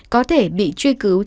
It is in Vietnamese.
có thể bị truy cứu